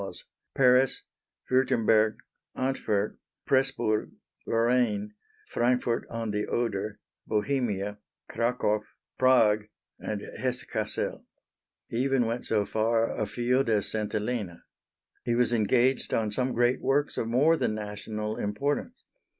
Paris, Wurtemberg, Antwerp, Presburg, Lorraine, Frankfort on the Oder, Bohemia, Cracow, Prague, and Hesse Cassel. He even went so far afield as St. Helena. He was engaged on some great works of more than national importance.